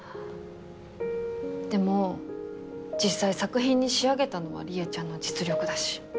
でも実際作品に仕上げたのはりえちゃんの実力だし。